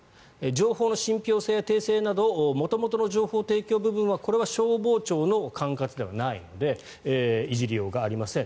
情報の信ぴょう性や訂正など元々の情報提供部分はこれは消防庁の管轄ではないのでいじりようがありません。